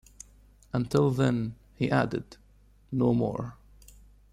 Until then," he added, "no more.